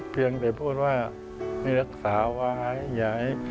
เพียงแต่พูดว่าให้รักษาไว้อย่าให้